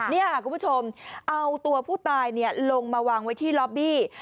นี่ค่ะคุณผู้ชมเอาตัวผู้ตายลงมาวางไว้ที่ล็อบบี้